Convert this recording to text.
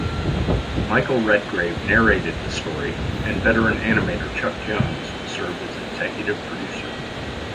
Michael Redgrave narrated the story and veteran animator Chuck Jones served as executive producer.